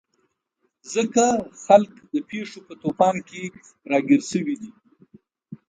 ځکه خلک د پېښو په توپان کې راګیر شوي دي.